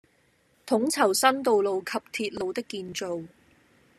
統籌新道路及鐵路的建造